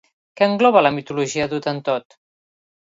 Què engloba la mitologia hotentot?